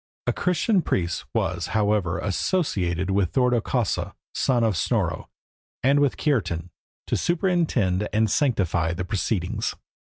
A Christian priest was, however, associated with Thordo Kausa, son of Snorro, and with Kiartan, to superintend and sanctify the proceedings.